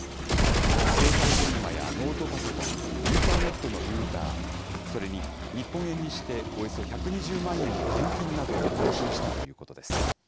携帯電話やノートパソコン、インターネットのルーター、それに日本円にしておよそ１２０万円の現金などを押収したということです。